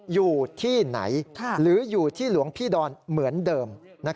อยู่ที่ไหนหรืออยู่ที่หลวงพี่ดอนเหมือนเดิม